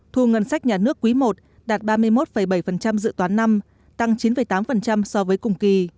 thu ngân sách nhà nước quý i đạt ba mươi một bảy dự toán năm tăng chín tám so với cùng kỳ